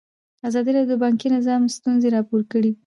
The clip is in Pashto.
ازادي راډیو د بانکي نظام ستونزې راپور کړي.